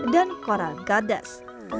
dan koral gadas